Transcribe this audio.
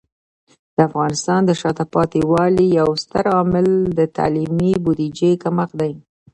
د افغانستان د شاته پاتې والي یو ستر عامل د تعلیمي بودیجه کمښت دی.